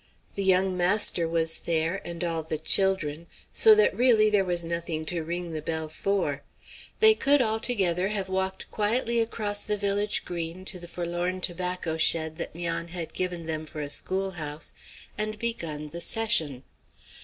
The young master was there, and all the children; so that really there was nothing to ring the bell for. They could, all together, have walked quietly across the village green to the forlorn tobacco shed that 'Mian had given them for a schoolhouse, and begun the session.